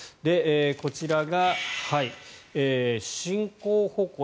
こちらが進行方向